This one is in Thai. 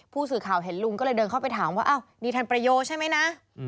ผู้สื่อข่าวเห็นลุงก็เลยเดินเข้าไปถามว่าอ้าวนี่ทันประโยคใช่ไหมนะ